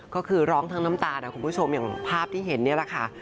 ก็คือร้องทั้งน้ำตานะคุณผู้ชมอย่างภาพที่เห็นนี่แหละค่ะ